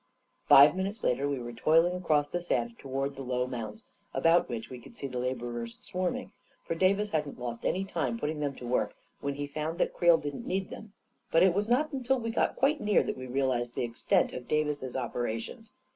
Five minutes later, we were toiling across the sand toward the low mounds, about which we could see the laborers swarming — for Davis hadn't lost any time putting them to work, when he found that Creel didn't need them — but it was not until we got quite near that we realized the extent of Davis's operations.